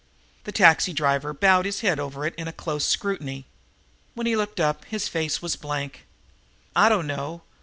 The taxi driver bowed his head over it in a close scrutiny. When he looked up his face was a blank. "I don't know.